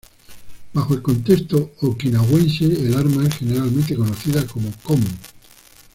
Bajo el contexto okinawense, el arma es generalmente conocida como "kon".